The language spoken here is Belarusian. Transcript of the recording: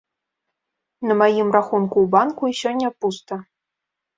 На маім рахунку ў банку і сёння пуста.